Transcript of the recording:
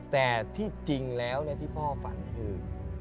แต่ที่จริงแล้วที่พ่อฝันคือ